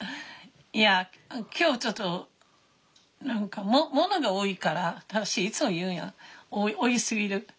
いや今日ちょっと何か物が多いから正いつも言うやん多いすぎる。